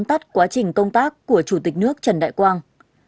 tắt quá trình công tác của chủ tịch nước trần đại quang